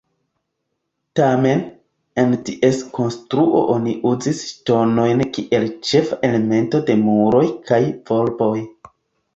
Tamen, en ties konstruo oni uzis ŝtonojn kiel ĉefa elemento de muroj kaj volboj.